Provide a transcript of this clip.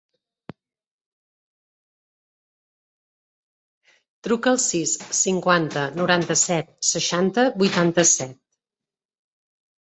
Truca al sis, cinquanta, noranta-set, seixanta, vuitanta-set.